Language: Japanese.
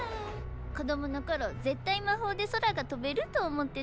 子供の頃絶対魔法で空が飛べると思ってたんで。